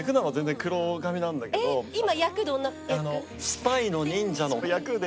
スパイの忍者の役で。